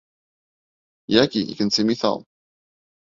Йәки, икенсе миҫал.